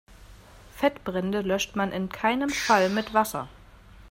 Fettbrände löscht man in keinem Fall mit Wasser.